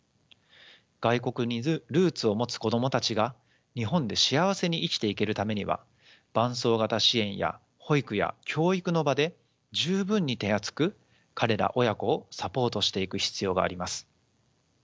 外国にルーツを持つ子どもたちが日本で幸せに生きていけるためには伴走型支援や保育や教育の場で十分に手厚く彼ら親子をサポートしていく必要があります。